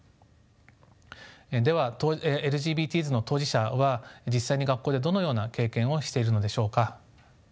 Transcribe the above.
ではＬＧＢＴｓの当事者は実際に学校でどのような経験をしているのでしょうか。